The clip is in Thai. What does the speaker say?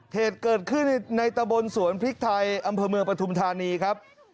เหตุเกิดขึ้นในตะบนสวนพริกไทยอำเภอเมืองปฐุมธานีครับ